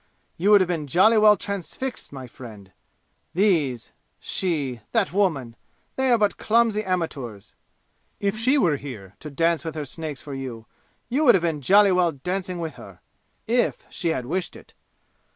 You would have been jolly well transfixed, my friend! These she that woman they are but clumsy amateurs! If she were here, to dance with her snakes for you, you would have been jolly well dancing with her, if she had wished it!